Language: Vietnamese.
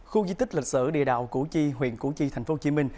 khu di tích lịch sở địa đạo củ chi huyện củ chi tp hcm